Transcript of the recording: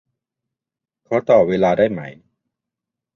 ขอต่อเวลาได้ไหม